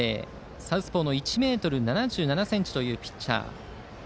サウスポーの１ｍ７７ｃｍというピッチャー。